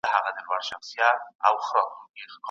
شپو ته مي خوبونه لکه زلفي زولانه راځي